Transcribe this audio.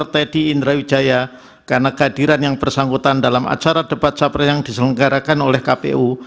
mayor teddy indrawijaya karena kehadiran yang bersangkutan dalam acara debat sabar yang diselenggarakan oleh kpu